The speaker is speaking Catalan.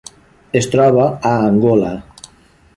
Es troba a Angola.